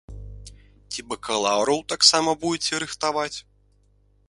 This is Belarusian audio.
Ці бакалаўраў таксама будзеце рыхтаваць?